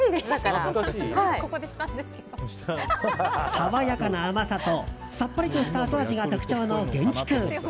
爽やかな甘さとさっぱりとした後味が特徴のゲンキクール。